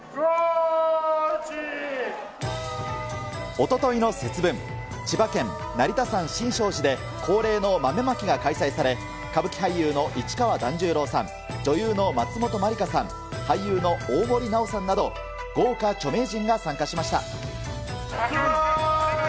おとといの節分、千葉県成田山新勝寺で、恒例の豆まきが開催され、歌舞伎俳優の市川團十郎さん、女優の松本まりかさん、俳優の大森南朋さんなど、豪華著名人が参加しました。